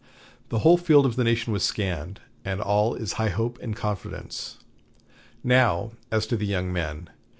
The whole field of the nation was scanned, and all is high hope and confidence.... Now, as to the young men.